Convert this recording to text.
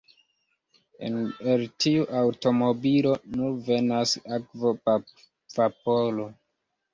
El tiu aŭtomobilo nur venas akvo-vaporo.